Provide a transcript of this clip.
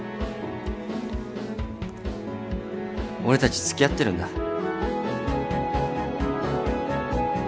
俺たち付き合ってるんだ。